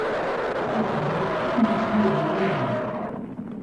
Ad ak-d-ifk ayen yettnadi wul-ik.